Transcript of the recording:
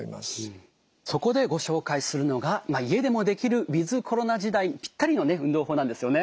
そこでご紹介するのが家でもできるウィズコロナ時代にぴったりのね運動法なんですよね。